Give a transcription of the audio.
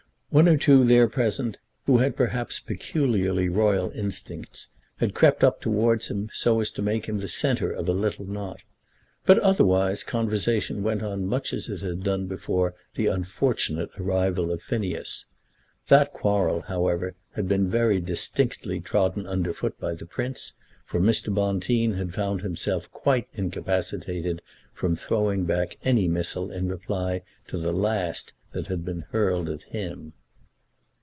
One or two there present, who had perhaps peculiarly royal instincts, had crept up towards him so as to make him the centre of a little knot, but, otherwise, conversation went on much as it had done before the unfortunate arrival of Phineas. That quarrel, however, had been very distinctly trodden under foot by the Prince, for Mr. Bonteen had found himself quite incapacitated from throwing back any missile in reply to the last that had been hurled at him.